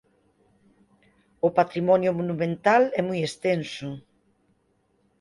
O patrimonio monumental é moi extenso.